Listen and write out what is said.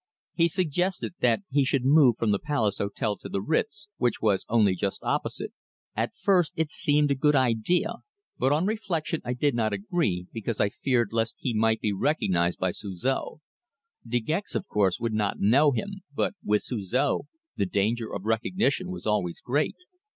He suggested that he should move from the Palace Hotel to the Ritz, which was only just opposite. At first it seemed a good idea, but on reflection I did not agree, because I feared lest he might be recognized by Suzor. De Gex, of course, would not know him, but with Suzor the danger of recognition was always great.